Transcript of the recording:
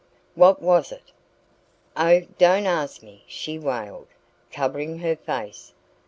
"What was it?" "Oh, don't ask me!" she wailed, covering her face.